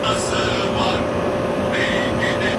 د قرعه کشي د وجوب لپاره کوم دليل ګڼل کيږي؟